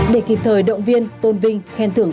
để kịp thời động viên tôn vinh khen thưởng